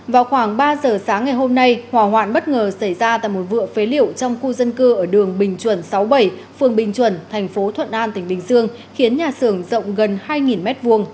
vào khoảng ba giờ sáng ngày hôm nay hỏa hoạn bất ngờ xảy ra tại một vựa phế liệu trong khu dân cư ở đường bình chuẩn sáu bảy phường bình chuẩn thành phố thuận an tỉnh bình dương khiến nhà xưởng rộng gần hai m hai